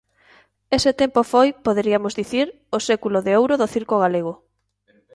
Ese tempo foi, poderiamos dicir, o século de ouro do circo galego.